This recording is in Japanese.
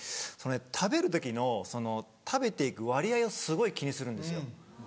食べる時の食べて行く割合をすごい気にするんですよ。